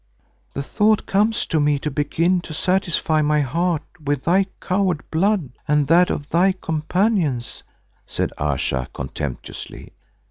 "The thought comes to me to begin to satisfy my heart with thy coward blood and that of thy companions," said Ayesha contemptuously.